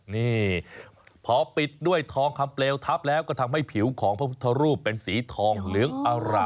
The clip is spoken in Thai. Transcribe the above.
นี่พอปิดด้วยทองคำเปลวทับแล้วก็ทำให้ผิวของพระพุทธรูปเป็นสีทองเหลืองอร่า